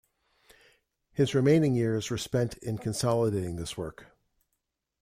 His remaining years were spent in consolidating this work.